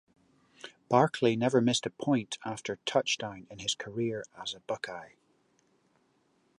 Barclay never missed a point after touchdown in his career as a Buckeye.